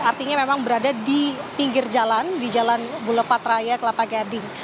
artinya memang berada di pinggir jalan di jalan bulepat raya kelapa gading